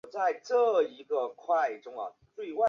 拥有出色的三分球投射能力。